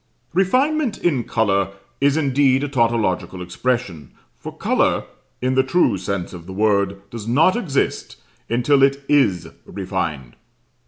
"Refinement in colour" is indeed a tautological expression, for colour, in the true sense of the word, does not exist until it is refined.